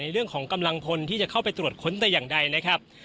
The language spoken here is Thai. เรื่องของกำลังพลที่จะเข้าไปตรวจค้นแต่อย่างใดนะครับ